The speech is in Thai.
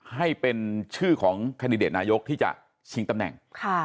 ให้เป็นชื่อของแคนดิเดตนายกที่จะชิงตำแหน่ง